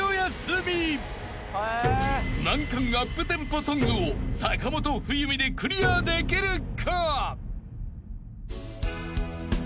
［難関アップテンポソングを坂本冬美でクリアできるか？］